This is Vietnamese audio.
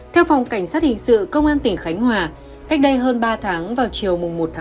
theo phòng cảnh sát hình sự công an tỉnh khánh hòa cách đây hơn ba tháng vào chiều một tám